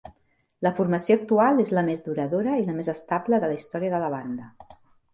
La formació actual és la més duradora i la més estable de la història de la banda.